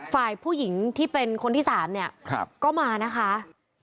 ฝ่ายผู้หญิงที่เป็นคนที่๓เนี่ยก็มานะคะ